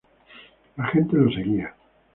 La gente lo seguía.